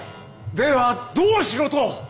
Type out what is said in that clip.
ではどうしろと！